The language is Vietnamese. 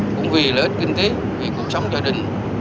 cũng vì lợi ích kinh tế vì cuộc sống gia đình